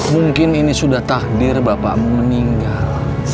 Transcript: mungkin ini sudah tahdir bapak meninggal